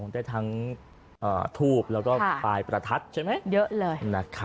ได้ทั้งถูบแล้วก็ปลายประทัดใช่มั้ย